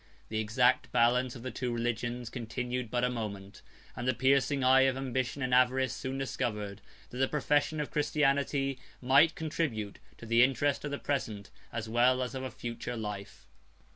The exact balance of the two religions continued but a moment; and the piercing eye of ambition and avarice soon discovered, that the profession of Christianity might contribute to the interest of the present, as well as of a future life.